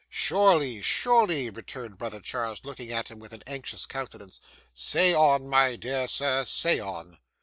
'Surely, surely,' returned brother Charles, looking at him with an anxious countenance. 'Say on, my dear sir, say on.